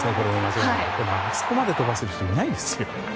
あそこまで打てる人いないんですよ！